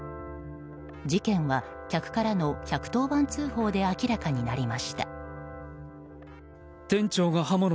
事件は客からの１１０番通報で明らかになりました。